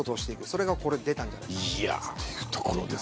それが出たんじゃないかなと。